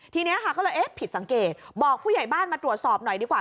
ทีนี้ค่ะก็เลยเอ๊ะผิดสังเกตบอกผู้ใหญ่บ้านมาตรวจสอบหน่อยดีกว่า